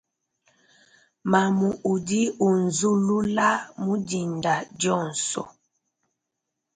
Mamu udi unzula mudinda dionso.